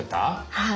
はい。